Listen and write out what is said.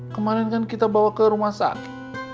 kemarin kan kita bawa ke rumah sakit